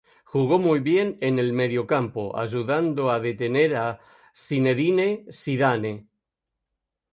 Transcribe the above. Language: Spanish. Jugó muy bien en el mediocampo ayudando a detener a Zinedine Zidane.